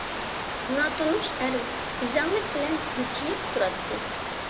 ناتونۇش ئەر بىزەڭلىك بىلەن ھىجىيىپ تۇراتتى.